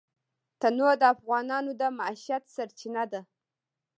تنوع د افغانانو د معیشت سرچینه ده.